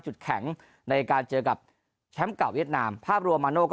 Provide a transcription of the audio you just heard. จุดแข็งในการเจอกับแชมป์เก่าเวียดนามภาพรวมมาโน่ก็